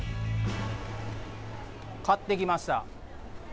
買ってきました。